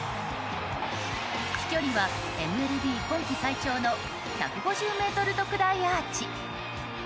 飛距離はＭＬＢ今季最長の１５０ｍ特大アーチ！